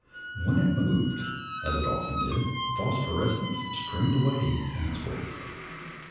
When it moved, as it often did, phosphorescence streamed away in its wake.